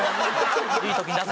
いい時に出せ。